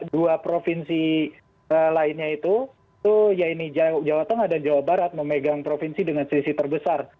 dua provinsi lainnya itu ya ini jawa tengah dan jawa barat memegang provinsi dengan selisih terbesar